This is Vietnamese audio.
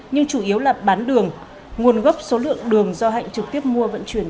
nhưng chủ yếu là bán đường nguồn gốc số lượng đường do hạnh trực tiếp mua vận chuyển